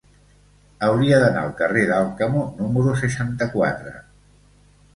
Hauria d'anar al carrer d'Alcamo número seixanta-quatre.